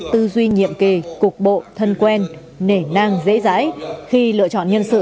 tư duy nhiệm kề cục bộ thân quen nể nang dễ dãi khi lựa chọn nhân sự